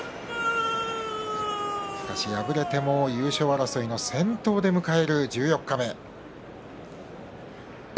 しかし敗れても優勝争いの先頭で迎える十四日目。